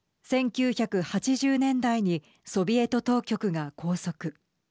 １９８０年代にソビエト当局が拘束。